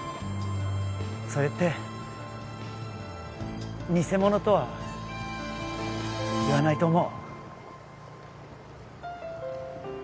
それって偽物とは言わないと思う